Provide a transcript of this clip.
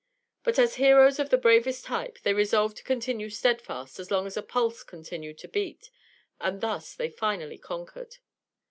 But as heroes of the bravest type they resolved to continue steadfast as long as a pulse continued to beat, and thus they finally conquered.